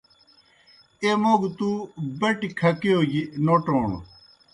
ایہہ موْ گہ تُوْ بَٹیْ کَھکِیؤ گیْ نوٹَون۔